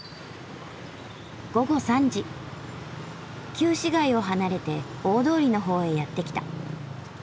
旧市街を離れて大通りの方へやって来た。